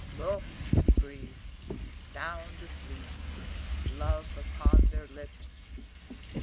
"Look," he breathes. "Sound asleep. Love upon their lips."